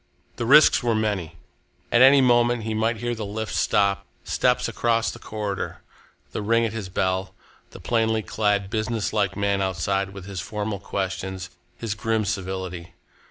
The risks were many. At any moment he might hear the lift stop, steps across the corridor, the ring at his bell, the plainly clad, businesslike man outside, with his formal questions, his grim civility.